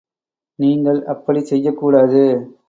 நீங்கள் அப்படிச் செய்யக் கூடாது.